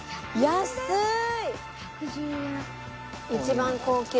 安い。